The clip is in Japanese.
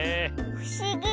ふしぎ。